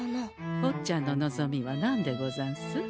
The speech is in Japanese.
ぼっちゃんの望みは何でござんす？